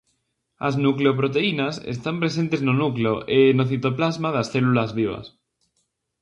As nucleoproteínas están presentes no núcleo e no citoplasma das células vivas.